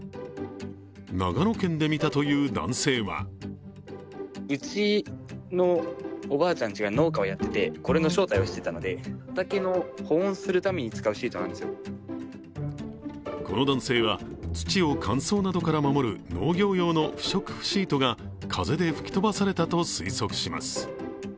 長野県で見たという男性はこの男性は、土を乾燥などから守る農業用の不織布シートが風で吹き飛ばされたと推測します。